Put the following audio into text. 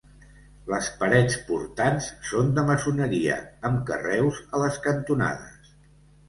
Les parets portants són de maçoneria amb carreus a les cantonades.